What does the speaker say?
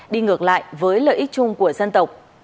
đi ngược lại với lợi ích chung của dân tộc